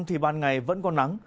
thì ban ngày vẫn có nắng